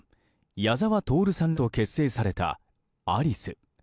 矢沢透さんと結成されたアリス。